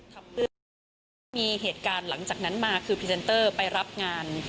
ก็มีเหตุการณ์หลังจากนั้นมาคือพรีเซนเตอร์ไปรับงาน